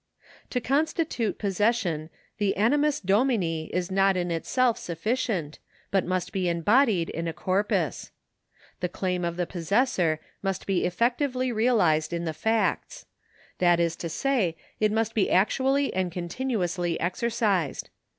To constitute possession the animus domini is not in itself sufficient, but must be embodied in a corpus. The claim of the possessor must be effectively realised in the facts ; that is to say, it must be actually and continuously exercised.